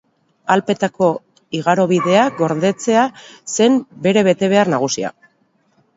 Alpeetako igarobideak gordetzea zen bere betebehar nagusia.